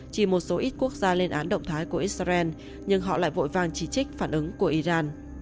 chỉ một số ít quốc gia lên án động thái của israel nhưng họ lại vội vàng chỉ trích phản ứng của iran